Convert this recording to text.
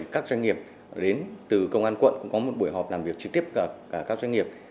các doanh nghiệp đến từ công an quận cũng có một buổi họp làm việc trực tiếp các doanh nghiệp